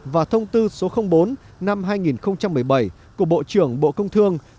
và thông tư số bốn năm hai nghìn một mươi bảy của bộ trưởng bộ công thương